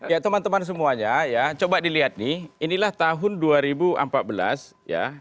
ya teman teman semuanya ya coba dilihat nih inilah tahun dua ribu empat belas ya